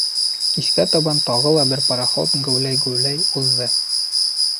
Кискә табан тағы ла бер пароход геүләй-геүләй уҙҙы.